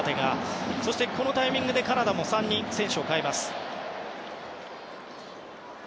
そして、このタイミングでカナダも３人選手を代えます。